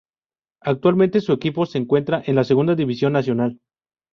Actualmente su equipo se encuentra en la segunda división nacional.